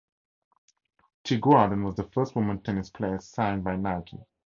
Teeguarden was the first woman tennis player signed by Nike.